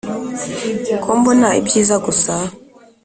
Ko mbona ibyiza gusa,